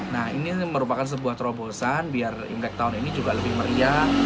nah ini merupakan sebuah terobosan biar imlek tahun ini juga lebih meriah